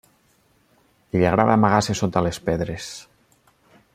L'hi agrada amagar-se sota les pedres.